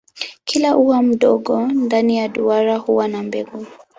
Kila ua mdogo ndani ya duara huwa na mbegu.